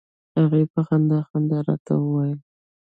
هغې په خندا خندا راته وویل.